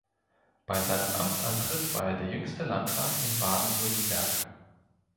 Bei seinem Amtsantritt war er der jüngste Landrat in Baden-Württemberg.